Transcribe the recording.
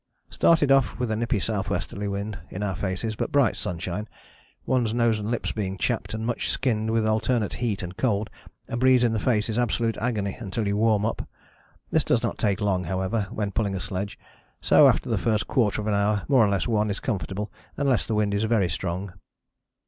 "Started off with a nippy S.Wly. wind in our faces, but bright sunshine. One's nose and lips being chapped and much skinned with alternate heat and cold, a breeze in the face is absolute agony until you warm up. This does not take long, however, when pulling a sledge, so after the first quarter of an hour more or less one is comfortable unless the wind is very strong.